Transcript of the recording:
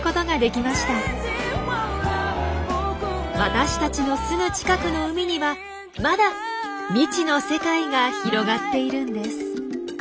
私たちのすぐ近くの海にはまだ未知の世界が広がっているんです。